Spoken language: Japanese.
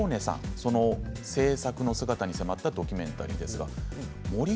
その制作の姿に迫ったドキュメンタリーです。